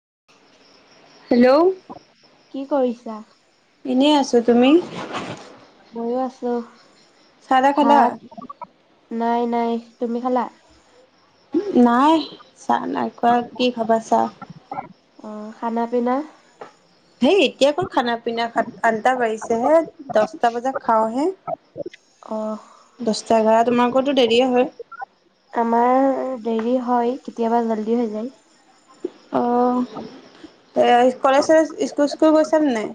[inaudible] যও কি কৰিছা? এনেই আছো তুমি? ময়ো আছো। চাহ তাহ খালা? ভাত নাই নাই। তুমি খালা? নাই চাহ নাই ব কি খবৰছা? অ খানা পিনা? হেই এতিয়া আকৌ খানা পিনা, সাত আঠটা বাজিছেহে, দচটা বজাত খাও হে। অ। দশটা এঘাৰ তোমালোকৰতো দেৰি হয়। আমাৰ দেৰি হয়, কেতিয়াবা জল্দি হৈ যায়। অ। কলেজ চলেজ স্কুল স্কুল গৈছা নে নাই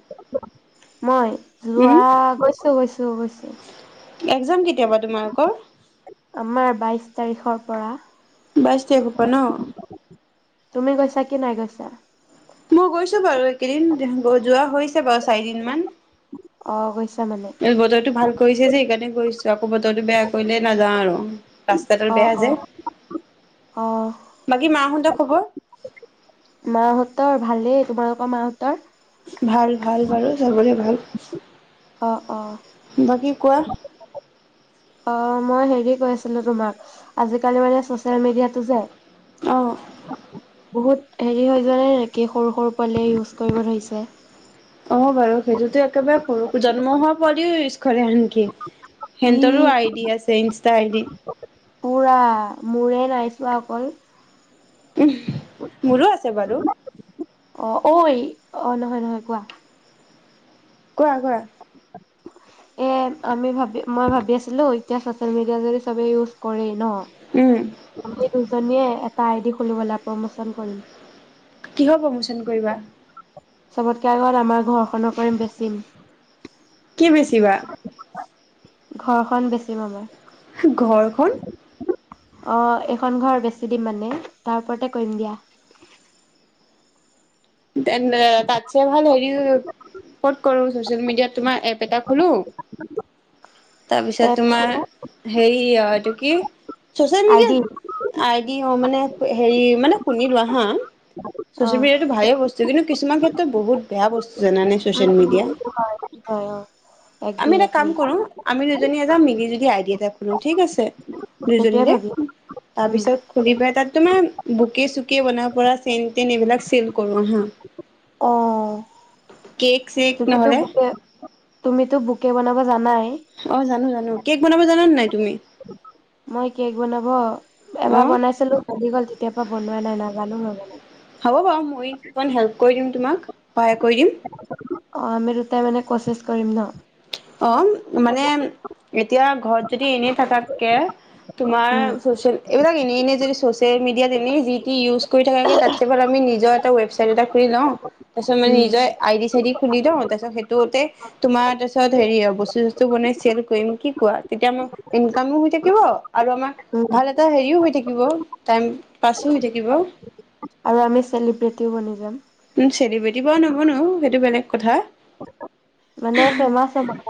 মই, উম যোৱা গৈছো গৈছো গৈছো। একজাম কেতিয়াবা তোমালোকৰ? আমাৰ বাইশ তাৰিখৰ পৰা বাইছ তাৰিখৰ পৰা ন। তুমি গৈছা কি নাই গৈছা? মই গৈছো বাৰু একেইদিন, যোৱা হৈ বাৰু চাৰিদিন মান, অ গৈছা মানে বতৰটো ভাল কৰিছে যে সেইকাৰণে গৈছ। আকৌ বতৰটো বেয়া কৰিলেই নাযাওঁ আৰু। ৰাস্তাতাল অ বেয়া অ যে, অ বাকী মাহতৰ খবৰ? তৰ ভালেই তোমালোকৰ মাহতৰ? ভাল ভাল বাৰু চবৰে ভাল, অ অ বাকী কোৱা? অ মই হেৰি কৰিছিলো তোমাক, আজিকালি মানে চচিয়েল মিডিয়াটো যে আহ। বহুত হেৰি হৈ জানে নেকি, সৰু সৰু পোৱালি ইউজ কৰিব ধৰিছে। অ বাৰু সেইটোতো একেবাৰে সৰু জন্ম হোৱা পোৱালিউ ইউ কৰে নেকি, সেহতৰো ই আইডি আছে ইনষ্টা আইডি। পুৰা মোৰে নাইচোৱা অকল। উম, মোৰো আছে বাৰু। অ ঐ অ নহয় নহয় কোৱা। কোৱা -কোৱা। এ', আমি ভাবি, মই ভাবি আছিলোঁ এতিয়া চচিয়েল- মিডিয়া যদি চবে ইউজ, কৰেই ন', উম, আমি দুজনীয়ে, এটা আইডি খুলো বলা, প্ৰমোচন কৰিম। কিহৰ প্ৰমোচন কৰিবা? চবতকে আগত আমাৰ ঘৰ, - বন্ধ কৰিম বেচিম। কি বেচিবা? ঘৰখন বেছিম আমাৰ। ঘৰখন? অ', এইখন ঘৰ বেছি দিম মানে তাৰ ওপৰতে কৰিম দিয়া। ডেন তাতছে ভাল হেৰি ক'ত কৰোঁ চচিয়েল- -মিডিয়াত তোমাৰ এপ এটা, খুলো তাৰপিছত এপ তোমাৰ, - হেৰী ইয়া এইটো কি? চছেল - মিডিয়া আইডি ', দিহও মানে হেৰি মানে, শুনি লোৱা হা', - অ চচিয়েল - মিডিয়াটো ভালে বস্তু। যদি নো কিছুমান ক্ষেত্ৰত বহুত বেয়া বস্তু জানানে উম ছ'চিয়েল -মিডিয়া। উম হয়', - অ ', আমি এগ্ৰি- এটা কাম এগ্ৰি। কৰো আমি দুজনী এ', যাম মিলি জুলি যদি আইডিয়া এটা খোলো ঠিক আছে। সেইটোয়ে দুজনীৰে ভাবি উম তাৰপিছত খুলি পেলাই তাত তোমাৰ, - বুকে -চুকে, বনাব পৰা চেন-টেন এইবিলাক চেল কৰো আহা', অহ ', কেক চেক তুমিতো নহ'লে বোকে তুমিতো বোকে। বুকে বনাব জানায়, - অ', জানোঁ- জানোঁ কেক বনাব জানা নে ', নাই তুমি? মই কেক বনাব, এবাৰ অ বনাই চিলো ভাঙি গ'ল। তেতিয়াৰ পৰা বনোৱা নাই নাজানোঁ মই বনাব, হ'ব বাৰু মই ইকণ হেল্প কৰি দিম তোমাক, সহায় কৰি দিম। অ', আমি দুটাই মানে কচিছ কৰিম ন',? অ', মানে, এতিয়া ঘৰত যদি এনে থাকাতকে তোমাৰ উম চচিয়েল এইবিলাক এনে - এনে যদি, চচিয়েল - মিডিয়াত এনে জিতি ইউজ্ কৰি থকাতকৈ তাটচে ভাল আমি নিজৰ এটা ৱেবছাইট এটা খুলি লওঁ। তাৰ পিছত আমাৰ উম নিজৰে আই- ডি- চাইডি, খুলি দিওঁ তাৰপিছত সেইটোতে তোমাৰ তাৰপিছত, তাত হেৰি অহ ', বস্তু - চস্তো বনাই চেল কৰিম কি কোৱা। তেতিয়া আমাৰ ইনকামো হৈ থাকিব, আৰু আমাৰ উম ভাল এটা হেৰিও হৈ থাকিব, টাইম পাছোঁ হৈ থাকিব। আৰু আমি চেলিব্ৰেটিও বনি যাম। চেলিব্ৰেটিৰ বাৰু নৱনোও সেইটো বেলেগ কথা। মানে ফেমাচ হম্ আক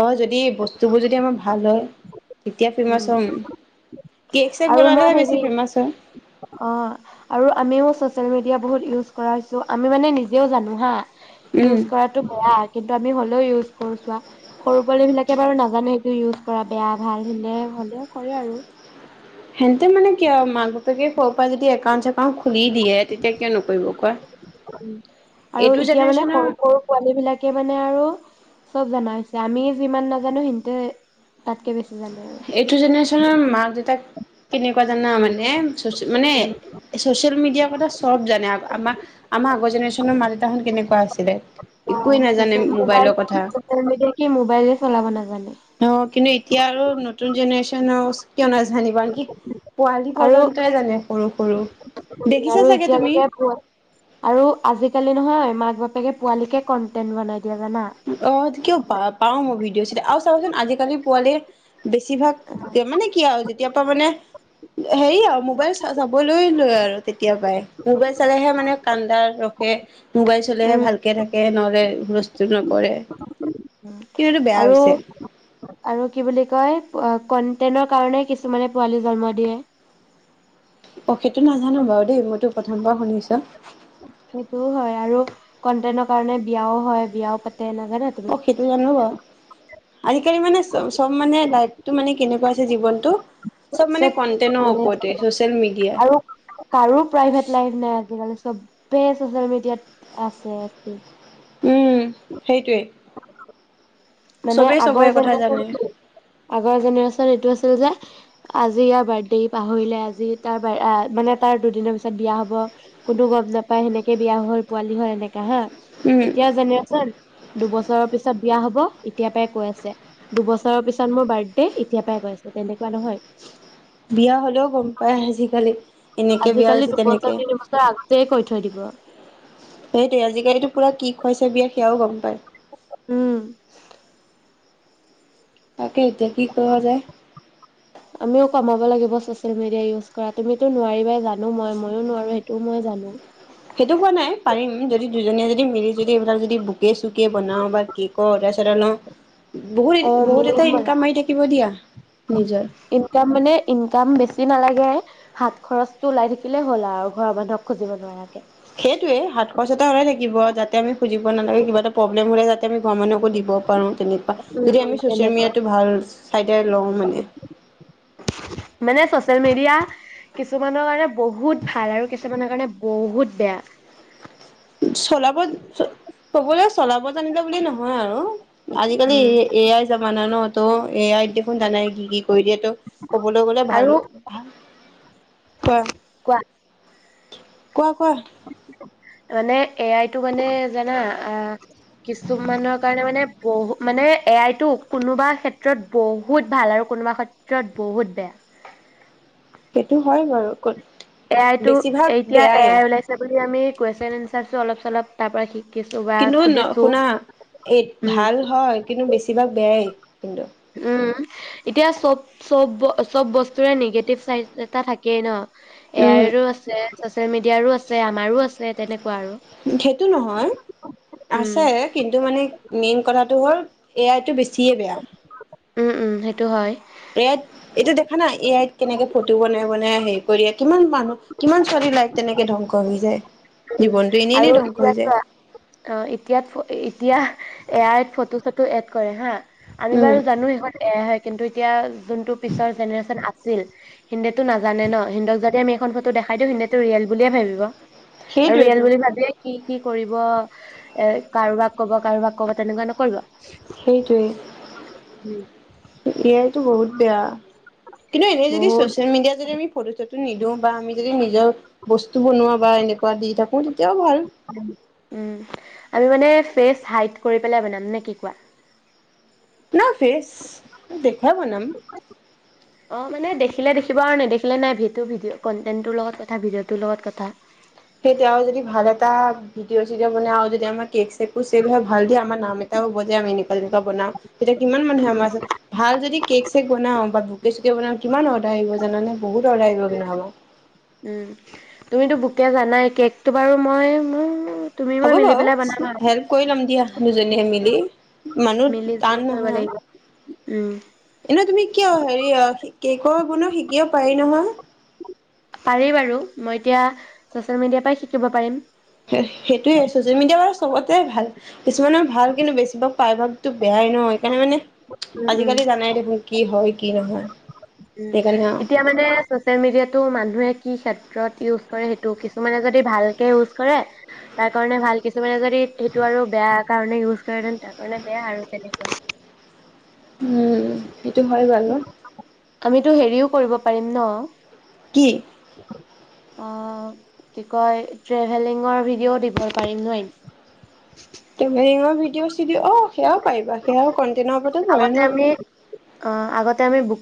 অঁ যদি বস্তুবোৰ যেতিয়া মই ভাল লও তেতিয়া ফিমাছ উম হম। কেক চেক আৰু বনালেহে মই বেছি হেৰি ফেমাচ হয় অ আৰু আমিওঁ চচিয়েল মিডিয়া। বহুত ইউজ কৰাইছো আমি মানে নিজেওঁ জানো হা। উম ইউজ কৰাটো কৰা বেয়া কিন্তু আমি হ'লেও ইউজ। অ চোৱা। সৰু পোৱালি বিলাকে বাৰু নাজানেই। ইউজ কৰা বেয়া ভাল এনে হলেওঁ কৰে আৰু। সিহঁতে মানে কিয় মাক বাপেকে। কৰ পৰা যদি একাউণ্ট চেকাউন্ট। অ খুলি দিয়ে তেতিয়া। কিয় নকৰিব কোৱা। ওম আৰু এইটো এতিয়া মানে জেনেৰেশ্যনৰ সৰু সৰু পোৱালী বিলাকে মানে আৰু চব জনা হৈছে। আমি যিমান নাজানো সিহঁতি তাতকে বেছি। জানে আৰু এইটো জেনেৰেশ্যনৰ মাক দেউতাক। কেনেকুৱা জানা মানে মানে, চচিয়েল মিডিয়াৰ কথা চব জানে। আম আমাৰ আগৰ জেনেৰে্যনৰ মা দেউতাহত কেনেকুৱা আছিলে। অ একোৱে নাজানে মোবাইলৰ কথা ছচিয়েল মিডিয়া কে মোবাইল চলাব নাজানে। অ কিন্তু এতিয়া আৰু নতুন। নতুন জনেৰেন কিয় নাজানিব আনকি। পোৱালি আৰু পৰ্যন্তই জানে সৰু সৰু দেখিছা আৰু চাগে এতিয়া তুমি লৈকে আৰু আজি কালি নহয়। মাক বাপেকে পোৱালিকে কনটেন্ট বনাই। দিয়ে জানা অ ত কিয় পাওঁ পাৰোঁ মই ভিডিঅ। গৈছিলে আৰু চাবাচোন আজি কালি পোৱালিৰ বেছিভাগ মানে কি আৰু যেতিয়া পৰা মানে। হেৰি আৰু মোবাইল চা চাবলৈ। লৈ আৰু তেতিয়া পাই মোবাইল চালেহে মানে কান্দা ৰখে। মোবাই চলালে উম ভালকে থাকে। এ নহ'লে বস্তু। [unintelligible] উম এইটো বেয়া আৰু হৈছে আৰু কি বুলি কয়। অঁ কণ্টেণৰ কাৰণে কিছুমানে পোৱালি জন্ম দিয়ে। অ সেইটো নাজানো বাৰু দেই মইতো প্ৰথমবাৰ শুনিছো। সেইটোও হয় আৰু কণ্টেণৰ কাৰণে বিয়াও হয় বিয়াও পাতি। তেনে নাজানা তুমি। আজি কালি মানে চব মানে লাইফটো মানে কেনেকুৱা হৈছে জীৱনটো। মানে চব কন্টেনৰ মানে ওপৰতে ছচিয়েল মিডিয়া আৰু কাৰো প্ৰাইভেট লাইফ নাই। আজিকালি চবে আছে জয়মতিয়াত আছে একটিভ উম সেইটোৱেই মানে আগৰ জেনেৰেচনটো আগৰ জেনেৰেচন এইটো আছিল যে আজি ইয়াৰ বাৰ্থডে পাহৰিলে আজি তাৰ মানে তাৰ দুদিনৰ পিছত বিয়া হব কোনো গম নাপাই সেনেকে বিয়া হল পোৱালি হল এনেকা হা উম, এতিয়া যেনে চন দুবছৰ ছৰৰ পিছত বিয়া হ'ব এতিয়াৰ পৰাই কৈ আছে দুবছৰৰ পিছত মোৰ বাৰ্থডে এতিয়াৰ পৰাই কৈ আছে তেনেকুৱা নহয় বিয়া হলেও গম পায় আজিকালি এনেকে বিয়া আজিকালি হৈছে তেনেকে দুবছৰ তিনিবছৰ আগতেই কৈ থৈ দিব সেইটোৱে আজিকালিতো পুৰা কি খুৱাইছে বিয়াত সেয়াও গম পায় উম তাকে এতিয়া কি কৰা যায়। আমিও কমাব লাগিব চচিয়েল মিডিয়া ইউজ কৰা তুমিতো নোৱাৰিবাই জানো মই ময়ো নোৱাৰো সেইটোও মই জানো সেইটো কোৱা নাই পাৰিম যদি দুজনীয়ে যদি মিলি যদি এইবিলাক যদি বু বুকে চুকে বনাও বা কেকৰ অৰ্ডাৰচ্ তাতে নো অ মিলিম বলা দিয়া নিজৰ। ইনকাম মানে ইনকাম বেছি নালাগে হাত খৰচ টো ওলাই থাকিলে হ'ল আও ঘৰৰ মানুহক খুজিব নোৱাৰাকে সেইটোয়ে হাত খৰচ এটা ওলাই থাকিব যাতে আমি খুজিব নালাগে কিবা এটা প্ৰব্লেম হলে যাতে আমি ঘ মানুহকো দিব পাৰোঁ তেনেকুৱা যদি উম আমি ছ'চিয়েল তেনেকুৱা মিডিয়াটো ভাল চাইডে লওঁ মানে চছিয়েল মিডিয়া কিছুমানৰ কাৰণে বহুত ভাল আৰু কিছুমানৰ কাৰণে বহুত বেয়া চলাব চ কবলৈ চলাব জানিলে বুলি নহয় আৰু আজিকালি উম এ এয়াই যামানা ন তো এয়াত দেখোন যানাই কি কি কৰি দিয়েতো ক'বলৈ গ'লে আৰু ভালো ভাল কোৱা কোৱা কোৱা কোৱা মানে এ আই ত টো মানে জানা আ কিছুমানৰ কাৰণে মানে বহু মানে এ আই টো কোনোবা ক্ষেত্ৰত বহুত ভাল আৰু কোনোবা ক্ষেত্ৰত বহুত বেয়া সেইটো হয় বাৰু ক এ বেছিভাগ বেয়াই তিয়া আমি কুৱেশন এনচাৰচো অলপ চলপ তাৰ পৰা শিক কিন্তু ন শুনা এই উম ভাল হয় কিন্তু বেছিভাগ বেয়াই কিন্তু উম এতিয়া চব চব ব চব বস্তুৰে নিগেটিভ চাইড এটা থাকেই ন উম এয়াইৰো আছে চচিয়েল মিডিয়াৰো আছে, আমাৰো আছে তেনেক সেইটো নহয় উম আছে কিন্তু মানে মেইন কথা টো হল এ আই টো বেছিয়ে বেয়া। উম উম সেইটো হয়। এয়াত এইটো দেখা না এ আইত কেনেকে ফটো বনাই বনাই হেৰি কৰি কিমান মানুহ কিমান ছোৱালী লাইক তেনেকে ধ্বংস হৈ যায়। উম জীৱনটো এনেই এনেই আৰু ধ্বংস হৈ এতিয়া যায় চোৱা অ এতিয়াত ফ এতিয়া এ আইত ফটো চট টো এড কৰে হা। আমি উম বাৰু জানো সেইষত এয়া হয় কিন্তু এতিয়া যোনটো পিছৰ জেনেৰেশ্যন আছে হিন্দেটো নাজানে ন। সিন্দক যদি আমি এখন ফটো দেখাই দিওঁ হিন্দেটো ৰিয়েল বুলিয়ে ভাবিব। আৰু ইয়ালে সেইটোৱেতো বুলি ভাবিলে কি কি কৰিব এ কাৰোবাক কব কাৰোবাক কব তেনেকুৱা নকৰিব। সেইটোৱেই। উম। টো বহুত বেয়া। কিন্তু এনেই যদি বহুত ছচিয়েল মিডিয়াত যদি আমি ফটো নিদিওঁ, বা আমি যদি নিজৰ বস্তু বনোৱা বা এনেকুৱা দি থাকো, তেতিয়াও ভাল। উম, আমি মানে ফেচ হাইড কৰি পেলাই বনাম, নে কি কোৱা? না ফেচ, দেখুৱাই বনাম। অ মানে দেখিলে দেখিব আৰু নাই দেখিলে নাই সেইটো ভিডিঅ কন্টেন টোৰ লগত কথা। ভিডিঅ'টোৰ লগত কথা। সেই তেওঁ যদি ভাল এটা ভিডিঅ চিদিও বনাই আৰু যদি আমাৰ কেক ছেক বোৰ ছেল হয় ভাল দিয়া আমাৰ নাম এটাও হব দিয়া আমি এনেকুৱা এনেকুৱা বনাওঁ। তেতিয়া কিমান মানুহে আমাৰ উচৰত, ভাল যদি কেক চেক বনাও বা বোকে চুকে বনাও কিমান অৰ্ডাৰ আহিব জাননে? বহুত অৰ্ডাৰ আহিব কিন্তু আমাৰ। উম, তুমিটো বোকে জানাই। কেকটো বাৰু মই ম হ'ব বাৰু, হেল্প কৰি ল'ম দিয়া। দুজনীয়ে মিলি, মানুহ, মিলি জুলি টান কৰিব নহয়। লাগিব উম এনে তুমি কিয়? হেৰি অ, কেকৰ গুণো শিকিব পাৰি নহয়। পাৰি বাৰু, মই এতিয়া চচিয়েল মিডিয়াৰ পাই শিকিব পাৰিম। সে সেইটোয়ে। চচিয়েল মিডিয়া চবতে ভাল। কিছুমানে ভাল কিন্তু বেছিভাগ প্ৰায়ভাগতো বেয়াই নহ। উম উম, কি হয় কি নহয় উম। সেইকাৰণে এতিয়া মানে চচিয়েল মিডিয়াটো মানুহে কি ক্ষেত্ৰ কোৱাত ইউছ কৰে সেইটো। কিছুমানে যদি ভালকে ইউজ কৰে, তাৰ কাৰণে ভাল। কিছুমানে যদি সেইটো আৰু বেয়া কাৰণে ইউজ কৰে দেন তাৰ কাৰণে বেয়া আৰু তেনেকে উম সেইটো হয় বালো আমিতো হেৰিও কৰিব পাৰিম ন কি [inaudible] কি কয় ট্ৰেভেলিঙৰ ভিডিঅ' দিব পাৰিম নহয়? ট্ৰেভেলিঙৰ ভিডিঅ' চি দি অ সেয়াও পাৰিবা সেয়াও কণ্টেনৰ ওপতে পৰে আগতে ন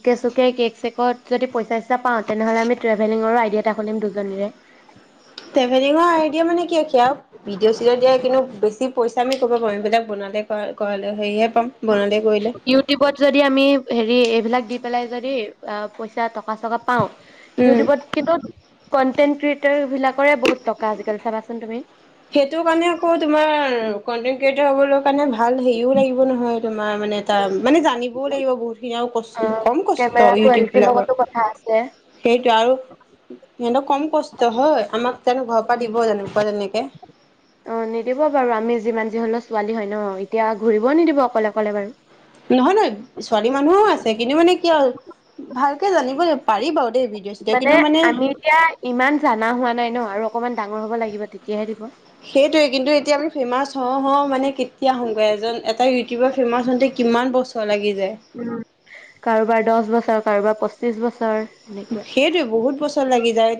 চুকে চুকে কেক চেকত যদি পইচা চইচা তেনেহ'লে আমি ট্ৰেভেলিঙৰো আইডিয় এটা খুলিম দুজনীৰে ট্ৰেলিঙৰ আইডিয়া মানে কি ভিডিঅ' চিডিঅ দিয়া কিন্তু বেছি পইচা কৰিব পাৰোঁ এইবিলাক বাল কাল সেয় ইউটিউবত যদি আমি হেৰি এইবিলাক দি পেলাই যদি অ পইচা টকা পাঁচ টকা পাও উম ইউটিউবত কিন্তু কণ্টেন্ট ক্ৰিয়েটৰ বিলাকৰে বহুত টকা আজিকাল চাবাচোন তুমি সেইটো কাৰণে আকৌ তোমাৰ কনটে ক্ৰিয়েটাৰ হবলৈ কাৰণে ভাল হেৰিও লাগিব নহয় তোমাৰ মানে এটা মানে জানিবও লাগিব বহুতখিনি আৰু অ' কম কষ্ট কেমেৰা ইউটিউব কোৱালিটিৰ বিলাকৰ লগতো কথা আছে। সেইটোে আৰু সিহঁতক কম কষ্ট হয় আমাক যেন ঘৰৰ পৰা দিব তেনেকুৱা তেনেকে অ নিদিব বাৰু আমি যিমান যি হলেও ছোৱালী হয় ন এতিয়া ঘূৰিবও নিদিব অকলে অকলে বাৰু নহয় নহয় ছোৱালী মানুহোও আছে কিন্তু মানে কি হ'ল ভিডিঅ' চিডিঅ' মানে কিন্তু আমি এতিয়া ইমান জানা হোৱা নাই ন আৰু অকমান ডাঙৰ ডাৰ হ'ব লাগিব তেতিয়াহে দিব সেইটোৱে কিন্তু এতিয়া আমি ফেমাচ অ হ মানে এতিয়া আহগৈ এজন এটা ইউটিউবাৰ ফেমা হতে কিমান বছ্তৰ লাগিছে উ কাৰোবাৰ দহ বছৰ কাৰোবাৰ পচ পঁচিছ বছৰ এনেকুৱা সেইটোৱে বহুত বছৰ লাগি যায়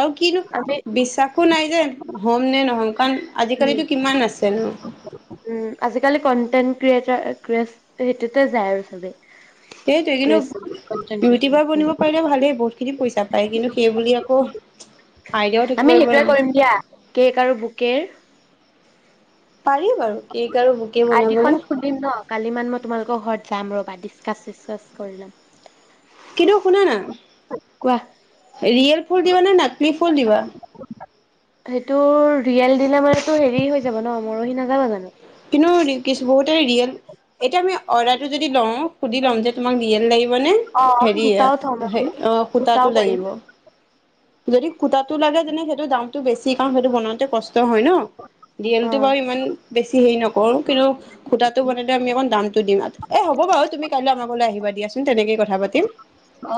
আৰু কিনো আমি বিশ্বাসো নাই যে হ'ম নে নহ'ম কাৰণ আজিকালো উম কিমান আছে ন ক্ৰিয়েট ক্ৰ সেইটোতে যায় আৰু চবে সেইটোৱে ক্ৰিয়েচন কন্টেন্ট কিন্তু ক্ৰিয়েচন ৰুটিবাৰ বনিব উম পাৰিলে ভালেই বহুত খিনি পইচা পায় কিন্তু সেইব আকৌ আইডিয়াও থাকিব আমি লাগিব সেইটোোৱে ন কৰিম দিয়া কেক আৰু বুকে পাৰি বাৰু কেক আৰু বুকে বনাবলৈ আইদিখন খুলিম ন কালি মান মই তোমালোকৰ ঘৰত যাম ৰ বা ডিচকাছ চিছকাছ কৰি ল'ম। কিন্তু শুনা কোৱা নায়েল ফুল দিবা নে নাকলি ফুল দিবা। সেইটো ৰিয়েল দিলা মানো হেৰি হৈ যাব ন মৰহি নাযাবা জানো কিন্তু বহুতৰিয়েল এতিয়া আমি অৰ্ডাৰটো যদি লওঁ সুধি লম যে তোমাক ৰিয়েল লাগিব মানে অ দুটাও থম হে আমি দুটাও সূতাটো কৰিম লাগিব। যদি খুতটো লাগে তেনে সেইটো দামতটো বেছি কাৰ সেইটো বনাওঁতে কষ্ট হয় ন অ দেলটো বাৰু ইমান বেছি। হেৰি নকৰো কিন্তু খুটাটো বনালে আমি অকণ দামটো দিম এ হ'ব বাৰু তুমি কাইলৈ আমাকলৈ আহিবা দিয়াচোন তেনেকেই কথা পাতিম।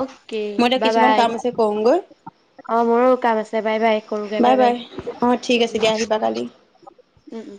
অকে মই এতিয়া বাই কিছুমান বাই কাম আছে কৰোঁগৈ অ মোৰো কাম আছে বাই বাই কৰোগৈ বাই বাই অঁ ঠিক আছে দিয়া আহিবা কালি উ উ।